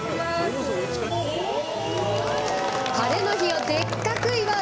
「ハレの日をでっかく祝う！」